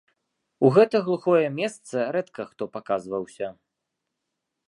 У гэта глухое месца рэдка хто паказваўся.